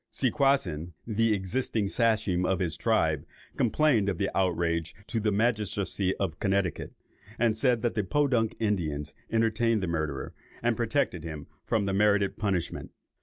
Seaquassin, the existing Sachem of his tribe, complained of the outrage to the magistracy of Connecticut, and said that the Podunk Indians entertained the murderer, and protected him from the merited punishment.